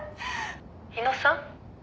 「日野さん？」